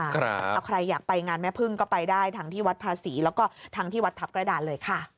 เอาใครอยากไปงานแม่พึ่งก็ไปได้ทั้งที่วัดภาษีแล้วก็ทั้งที่วัดทัพกระดานเลยค่ะ